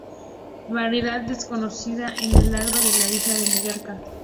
Variedad desconocida en el agro de la isla de Mallorca.